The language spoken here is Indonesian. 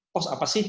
pos apa sih